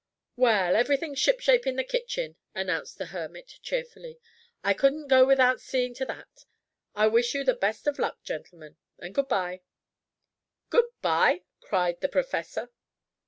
"Well, everything's shipshape in the kitchen," announced the hermit cheerfully. "I couldn't go without seeing to that. I wish you the best of luck, gentlemen and good by." "Good by?" cried the professor.